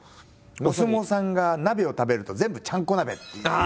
お相撲さんが鍋を食べると全部ちゃんこ鍋っていうね。